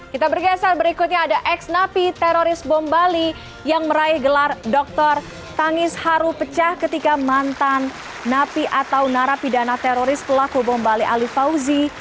kita bergeser berikutnya ada ex napi teroris bom bali yang meraih gelar dokter tangis haru pecah ketika mantan napi atau narapidana teroris pelaku bom bali ali fauzi